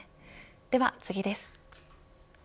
では次です。